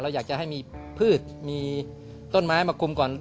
อยากจะให้มีพืชมีต้นไม้มากลุ่มก่อน